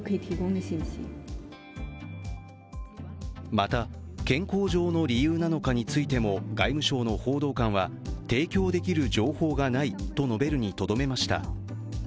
また、健康上の理由なのかについても外務省の報道官は提供できる情報がないと述べるにとどめました。